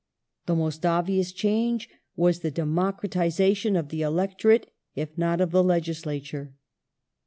The most obvious change was the democratiza tion of the electorate, if not of the legislature.